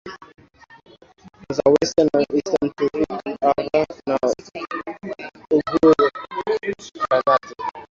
Khazar Western and Eastern Turkic Avar na Uyghur kaganates